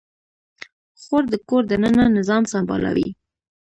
خور د کور دننه نظام سمبالوي.